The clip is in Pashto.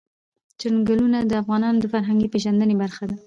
چنګلونه د افغانانو د فرهنګي پیژندنې برخه ده.